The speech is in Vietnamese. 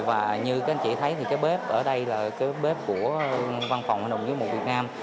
và như các anh chị thấy thì cái bếp ở đây là cái bếp của văn phòng hội đồng giới một việt nam